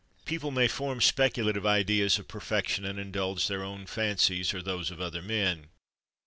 People may form speculative ideas of per fection and indulge their own fancies or those of other men.